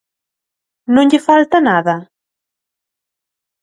¿Non lle falta nada?